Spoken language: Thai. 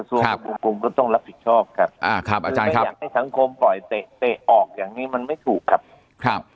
ส่วนควบคุมก็ต้องรับผิดชอบครับอาจารย์ไม่อยากให้สังคมปล่อยเตะออกอย่างนี้มันไม่ถูกครับ